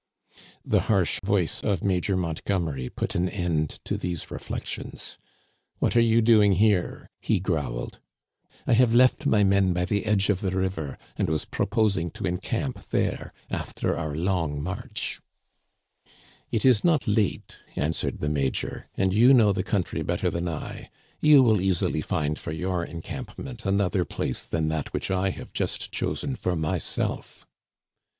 The harsh voice of Major Montgomery put an end to these reflections. " What are you doing here ?" he growled. "I have left my men by the edge of the river, and was proposing to encamp there after our long march." It is not late," answered the major, " and you know the country better than I. You will easily find for your Digitized by VjOOQIC 174 THE CANADIANS OF OLD, encampment another place than that which I have just chosen for myself."